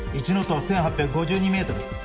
１ノットは１８５２メートル。